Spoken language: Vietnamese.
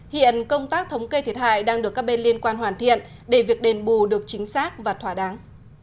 hiện công tác thống kê thiệt hại đang được các bên liên quan hoàn thiện để việc đền bù được chính xác và thỏa đáng